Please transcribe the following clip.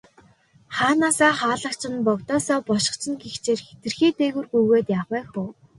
Хаанаасаа хаалгач нь, богдоосоо бошгоч нь гэгчээр хэтэрхий дээгүүр гүйгээд яах вэ хөө.